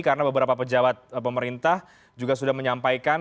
karena beberapa pejabat pemerintah juga sudah menyampaikan